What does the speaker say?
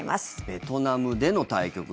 ベトナムでの対局。